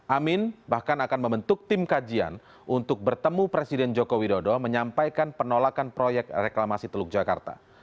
amin bahkan akan membentuk tim kajian untuk bertemu presiden joko widodo menyampaikan penolakan proyek reklamasi teluk jakarta